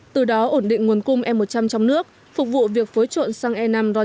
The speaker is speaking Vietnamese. từ đó ổn định nguồn cung e một trăm linh trong nước phục vụ việc phối trộn xăng e năm ron chín